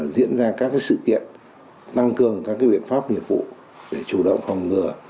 diễn ra các sự kiện tăng cường các biện pháp nghiệp vụ để chủ động phòng ngừa